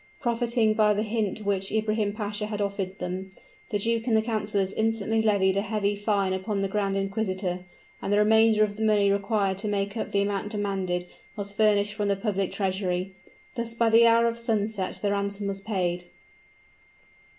Profiting by the hint which Ibrahim Pasha had offered them, the duke and the councilors instantly levied a heavy fine upon the grand inquisitor; and the remainder of the money required to make up the amount demanded, was furnished from the public treasury. Thus by the hour of sunset the ransom was paid.